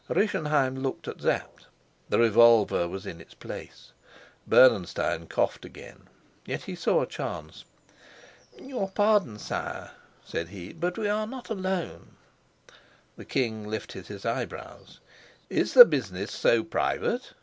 Rischenheim looked at Sapt. The revolver was in its place; Bernenstein coughed again. Yet he saw a chance. "Your pardon, sire," said he, "but we are not alone." The king lifted his eyebrows. "Is the business so private?"